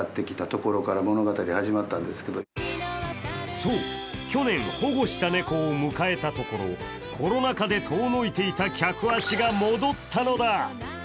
そう、去年、保護した猫を迎えたところコロナ禍で遠のいていた客足が戻ったのだ。